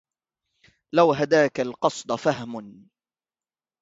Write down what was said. لو هداك القصد فهم